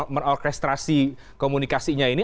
menorgestrasi komunikasinya ini